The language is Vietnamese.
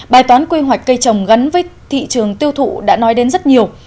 bài toán quy hoạch cây trồng gắn với thị trường tiêu thụ đã nói đến rất nhiều